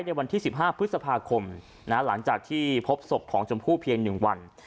ในวันที่๑๕พฤษภาคมหลังจากที่พบศพของชมพู่เพียง๑วัน